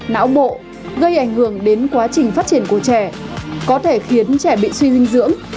não bộ gây ảnh hưởng đến quá trình phát triển của trẻ có thể khiến trẻ bị suy dinh dưỡng